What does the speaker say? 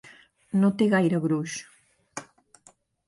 No té gaire gruix.